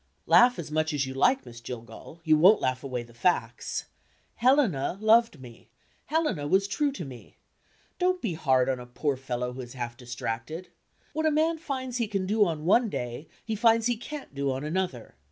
"Laugh as much as you like, Miss Jillgall, you won't laugh away the facts. Helena loved me; Helena was true to me. Don't be hard on a poor fellow who is half distracted. What a man finds he can do on one day, he finds he can't do on another.